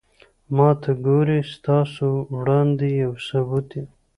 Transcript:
ما ته گورې ستاسو وړاندې يو ثبوت يم